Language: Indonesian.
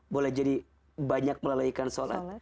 boleh jadi banyak melalaikan sholat